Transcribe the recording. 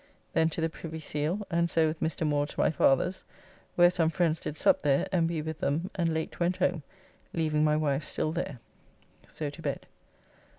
Then to the Privy Seal, and so with Mr. Moore to my father's, where some friends did sup there and we with them and late went home, leaving my wife still there. So to bed.